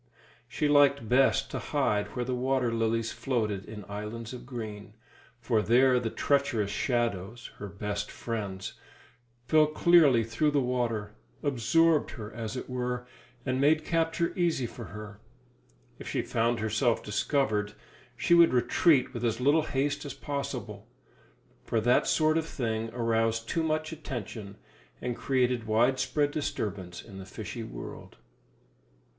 She liked best to hide where the water lilies floated in islands of green, for there the treacherous shadows her best friends fell clearly through the water; absorbed her, as it were, and made capture easy for her. If she found herself discovered, she would retreat with as little haste as possible; for that sort of thing aroused too much attention, and created widespread disturbance in the fishy world.